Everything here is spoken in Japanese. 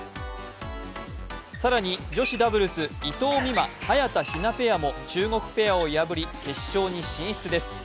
更に女子ダブルス伊藤美誠・早田ひなペアも中国ペアを破り、決勝に進出です。